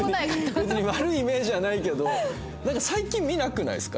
別に悪いイメージはないけどなんか最近見なくないですか？